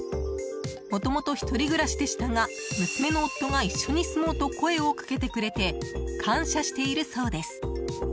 もともと１人暮らしでしたが娘の夫が一緒に住もうと声をかけてくれて感謝しているそうです。